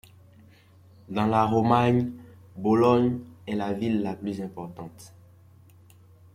Dans la Romagne, Bologne est la ville la plus importante.